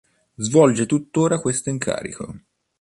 Svolge tuttora questo incarico.